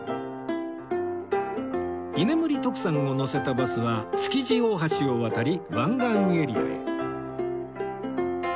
居眠り徳さんを乗せたバスは築地大橋を渡り湾岸エリアへ